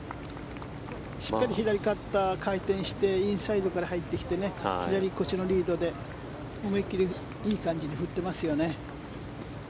しっかり左肩回転してインサイドから入ってきて左腰のリードで思い切りいい感じで振っていますよね。